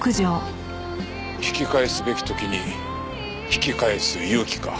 引き返すべき時に引き返す勇気か。